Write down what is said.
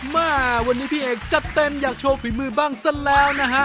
มาวันนี้พี่เอกจัดเต็มอยากโชว์ฝีมือบ้างซะแล้วนะฮะ